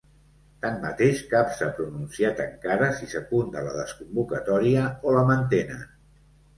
Tanmateix, cap s’ha pronunciat encara si secunda la desconvocatòria o la mantenen.